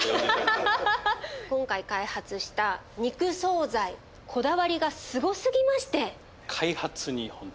今回開発した肉惣菜こだわりがすごすぎまして。